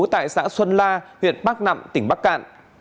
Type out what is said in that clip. tại xã xuân la huyện bắc nẵm tỉnh bắc cạn